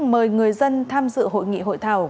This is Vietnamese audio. mời người dân tham dự hội nghị hội thảo